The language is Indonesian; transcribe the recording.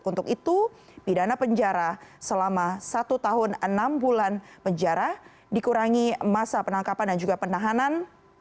untuk itu pidana penjara selama satu tahun enam bulan penjara dikurangi masa penangkapan dan juga penahanan